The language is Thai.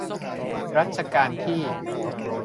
รัชกาลที่